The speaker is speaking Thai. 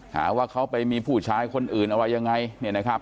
หาว่าเขาไปมีผู้ชายคนอื่นอะไรยังไงเนี่ยนะครับ